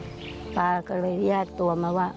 ป้าก็ทำของคุณป้าได้ยังไงสู้ชีวิตขนาดไหนติดตามกัน